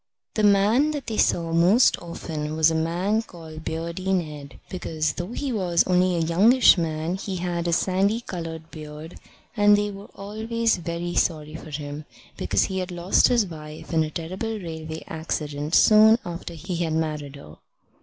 The man that they saw most often was a man called Beardy Ned, because, though he was only a youngish man, he had a sandy coloured beard; and they were always very sorry for him, because he had lost his wife in a terrible railway accident soon after he had married her.